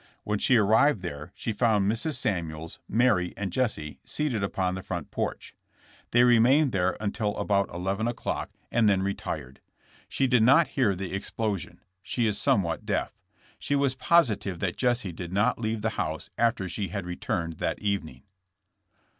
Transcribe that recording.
When she arrived there she found Mrs. Samuels, Mary and Jesse seated upon the front porch. They remained there until about 11 o'clock THE TRIAI, FOR TRAIN ROBBKRY. 181 and then retired. She did not hear the ex plosion. She is somewhat deaf. She was positive that Jesse did not leave the house after she had re turned that evening.